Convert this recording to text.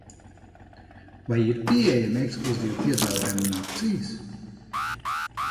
Vai ir pieejami ekskluzīvi piedāvājumi un akcijas?